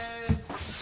クソ。